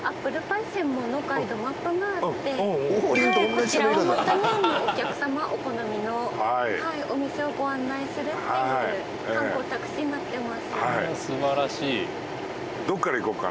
こちらをもとにお客様お好みのお店をご案内するっていう観光タクシーになってます